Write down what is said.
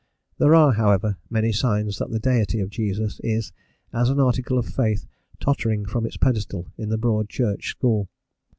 There are, however, many signs that the deity of Jesus is, as an article of faith, tottering from its pedestal in the Broad Church school.